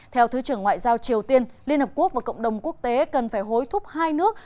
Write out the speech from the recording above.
theo thứ trưởng ngoại giao triều tiên liên hợp quốc và cộng đồng quốc tế cần phải hối thúc hai nước